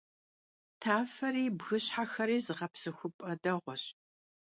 Tafexeri bgılhexeri zığepsexup'e değueş.